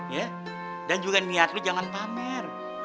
ya dan juga niat lu jangan pamer